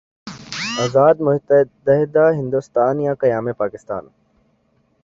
آزاد متحدہ ہندوستان یا قیام پاکستان؟